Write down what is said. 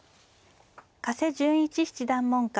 加瀬純一七段門下。